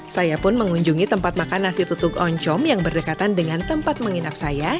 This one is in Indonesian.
saya pun mengunjungi tempat makan nasi tutuk oncom yang berdekatan dengan tempat menginap saya